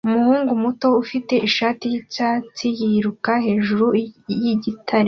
Umuhungu muto ufite ishati yicyatsi yiruka hejuru yigitare